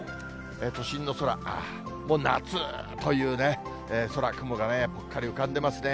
都心の空、もう夏というね、空、雲がね、ぽっかり浮かんでますね。